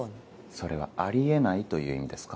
それはあり得ないという意味ですか？